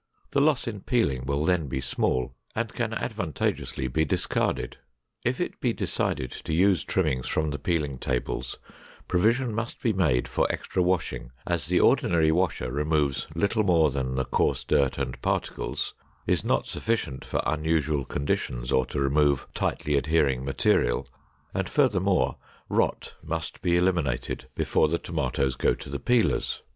The loss in peeling will then be small and can advantageously be discarded. If it be decided to use trimmings from the peeling tables, provision must be made for extra washing, as the ordinary washer removes little more than the coarse dirt and particles, is not sufficient for unusual conditions or to remove tightly adhering material, and, furthermore, rot must be eliminated before the tomatoes go to the peelers.